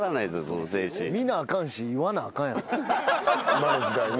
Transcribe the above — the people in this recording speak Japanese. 今の時代な。